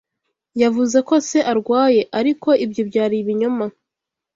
Yavuze ko se arwaye, ariko ibyo byari ibinyoma.